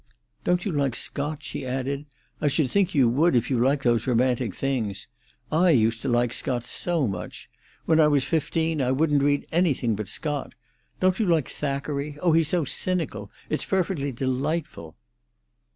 Don't you like Scott!" she added. "I should think you would if you like those romantic things. I used to like Scott so much. When I was fifteen I wouldn't read anything but Scott. Don't you like Thackeray? Oh, he's so cynical! It's perfectly delightful."